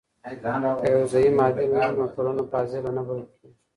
که يو زعيم عادل نه وي نو ټولنه فاضله نه بلل کيږي.